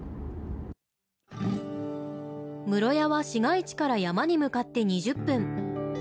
室谷は市街地から山に向かって２０分。